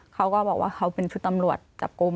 เขาก็บอกว่าเขาเป็นชุดตำรวจจับกลุ่ม